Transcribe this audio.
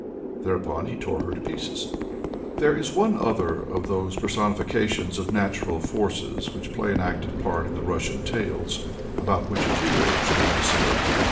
Thereupon he tore her to pieces. There is one other of those personifications of natural forces which play an active part in the Russian tales, about which a few words may be said.